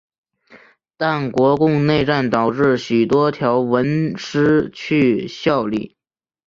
但国共内战导致许多条文失去效力。